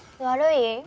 悪い？